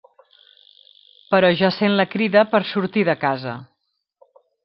Però ja sent la crida per sortir de casa.